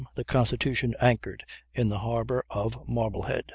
the Constitution anchored in the harbor of Marblehead.